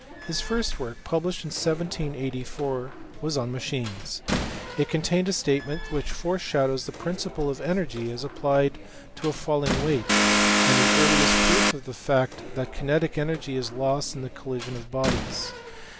His first work, published in 1784, was on machines: it contains a statement which foreshadows the principle of energy as applied to a falling weight, and the earliest proof of the fact that kinetic energy is lost in the collision of bodies.